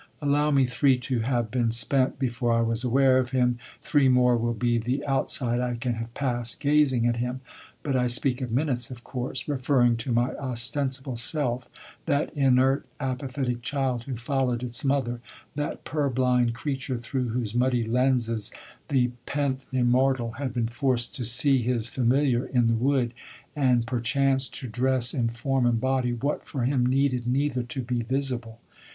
Allow me three to have been spent before I was aware of him, three more will be the outside I can have passed gazing at him. But I speak of "minutes," of course, referring to my ostensible self, that inert, apathetic child who followed its mother, that purblind creature through whose muddy lenses the pent immortal had been forced to see his familiar in the wood, and perchance to dress in form and body what, for him, needed neither to be visible.